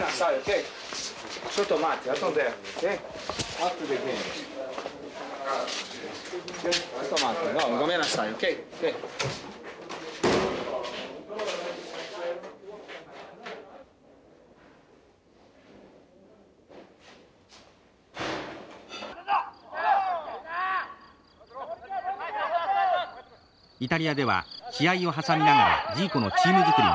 イタリアでは試合を挟みながらジーコのチーム作りが進められました。